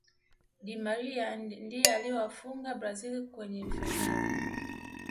di Maria ndiye aliyewafunga brazil kwenye fainali